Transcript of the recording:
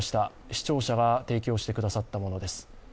視聴者が提供してくださったものです。